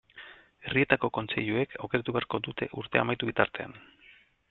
Herrietako kontseiluek aukeratu beharko dute urtea amaitu bitartean.